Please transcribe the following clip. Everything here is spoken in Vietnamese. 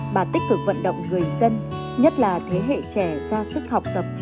bà tích cực vận động người dân nhất là thế hệ trẻ ra sức học tập